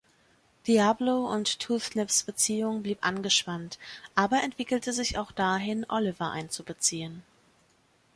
Diablo und Toothgnips Beziehung blieb angespannt aber entwickelte sich auch dahin, Oliver einzubeziehen.